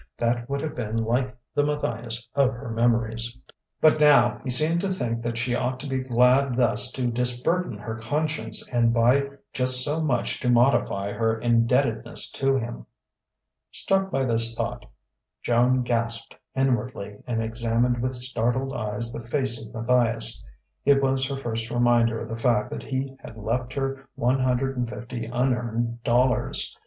That would have been like the Matthias of her memories! But now he seemed to think that she ought to be glad thus to disburden her conscience and by just so much to modify her indebtedness to him! Struck by this thought, Joan gasped inwardly, and examined with startled eyes the face of Matthias. It was her first reminder of the fact that he had left her one hundred and fifty unearned dollars.